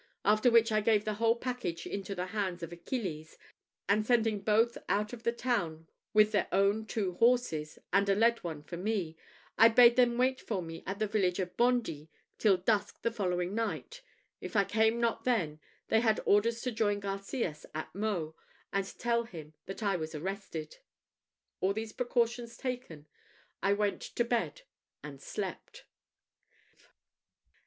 After which I gave the whole package into the hands of Achilles, and sending both out of the town with their own two horses, and a led one for me, I bade them wait for me at the village of Bondy till dusk the next night. If I came not then, they had orders to join Garcias at Meaux, and tell him that I was arrested. All these precautions taken, I went to bed and slept.